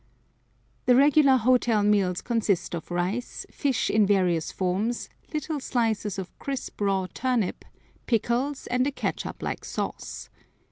The regular hotel meals consist of rice, fish in various forms, little slices of crisp, raw turnip, pickles, and a catsup like sauce.